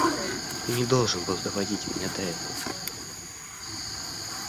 Ты не должен был доводить меня до этого.